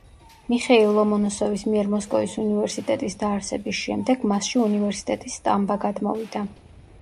მიხეილ ლომონოსოვის მიერ მოსკოვის უნივერსიტეტის დაარსების შემდეგ მასში უნივერსიტეტის სტამბა გადმოვიდა.